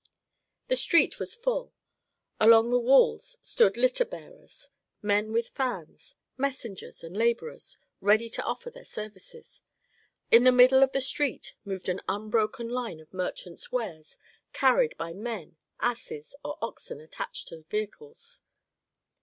The street was full. Along the walls stood litter bearers, men with fans, messengers and laborers, ready to offer their services. In the middle of the street moved an unbroken line of merchants' wares carried by men, asses, or oxen attached to vehicles.